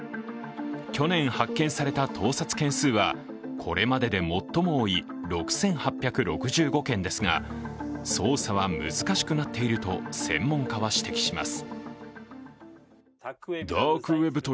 去年、発見された盗撮件数はこれまでで最も多い６８６５件ですが捜査は難しくなっていると専門家は指摘します。